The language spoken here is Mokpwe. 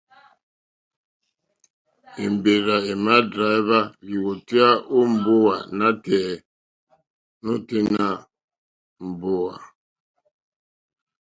Èmbèrzà èmà dráíhwá lìwòtéyá ó mbówà nǎtɛ̀ɛ̀ nǒténá mbówà.